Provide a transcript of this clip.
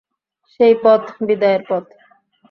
সেই পথ, বিদায়ের পথ।